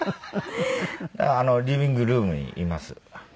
リビングルームにいます。